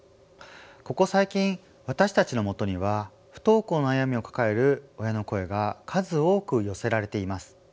ここ最近私たちのもとには不登校の悩みを抱える親の声が数多く寄せられています。